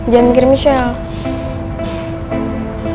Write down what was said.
jangan mikir michelle